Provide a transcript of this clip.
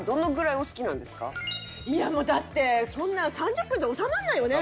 いやもうだってそんな３０分じゃ収まらないよね？